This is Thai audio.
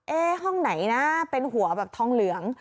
ห้องไหนนะเป็นหัวแบบทองเหลือง